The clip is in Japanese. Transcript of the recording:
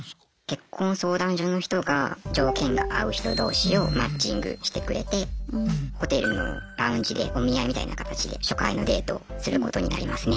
結婚相談所の人が条件が合う人同士をマッチングしてくれてホテルのラウンジでお見合いみたいな形で初回のデートをすることになりますね。